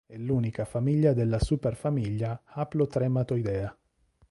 È l'unica famiglia della superfamiglia Haplotrematoidea.